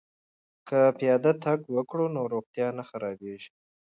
که پیاده تګ وکړو نو روغتیا نه خرابیږي.